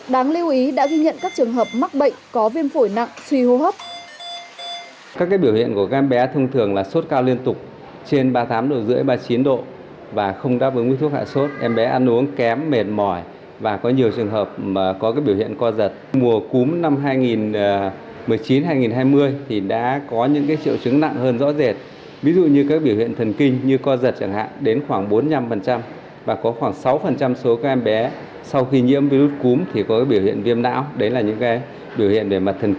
đáng lưu ý đã ghi nhận các trường hợp mắc bệnh có viêm phổi nặng suy hô hấp